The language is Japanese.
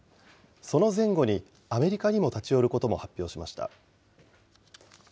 その前後にアメリカにも立ち寄ることも発表しました。